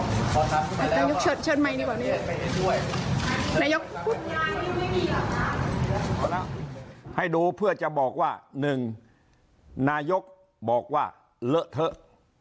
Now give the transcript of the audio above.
นาศพุทธนายคให้ดูเพื่อจะบอกว่าหนึ่งนายกบอกว่าละเถอะ